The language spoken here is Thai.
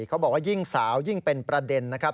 เขาบอกว่ายิ่งสาวยิ่งเป็นประเด็นนะครับ